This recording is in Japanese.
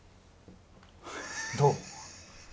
どう？